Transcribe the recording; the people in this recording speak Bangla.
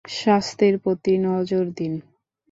স্বাস্থে্যর প্রতি নজর দিন।